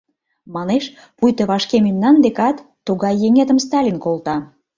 Манеш, пуйто вашке мемнан декат тугай еҥетым Сталин колта.